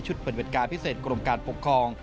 ชุดบริเวณการพิเศษกรมการปกครอง